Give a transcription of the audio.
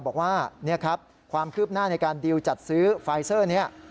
บอกว่านี่ครับความคืบหน้าในการดีลจัดซื้อไฟเซอร์นี้